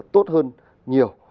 tốt hơn nhiều